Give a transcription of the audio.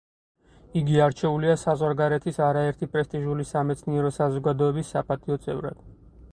იგი არჩეულია საზღვარგარეთის არაერთი პრესტიჟული სამეცნიერო საზოგადოების საპატიო წევრად.